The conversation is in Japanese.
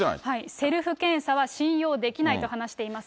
セルフ検査は信用できないと話しています。